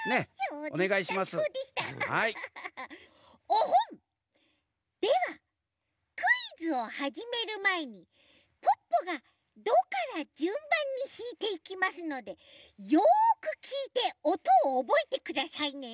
オホンッ！ではクイズをはじめるまえにポッポが「ド」からじゅんばんにひいていきますのでよくきいておとをおぼえてくださいね。